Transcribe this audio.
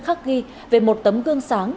khắc ghi về một tấm gương sáng